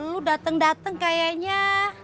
lu dateng dateng kayaknya